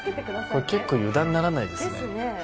これ結構油断ならないですね